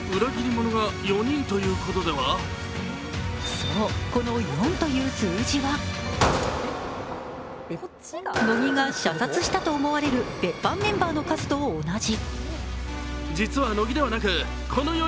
そう、この４という数字は乃木が射殺したと思われる別班メンバーの数と同じ。